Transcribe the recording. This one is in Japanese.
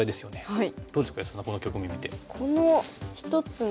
はい。